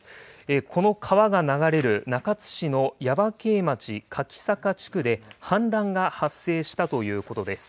この川が流れる中津市の耶馬溪町柿坂地区で氾濫が発生したということです。